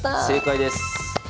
正解です。